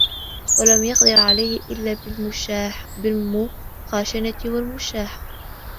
وَلَمْ يَقْدِرْ عَلَيْهِ إلَّا بِالْمُخَاشَنَةِ وَالْمُشَاحَّةِ